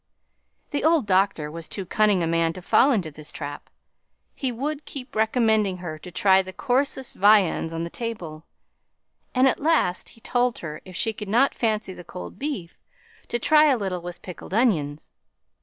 The old doctor was too cunning a man to fall into this trap. He would keep recommending her to try the coarsest viands on the table; and, at last, he told her if she could not fancy the cold beef to try a little with pickled onions.